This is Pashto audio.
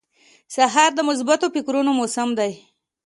سهار د مثبتو فکرونو موسم دی.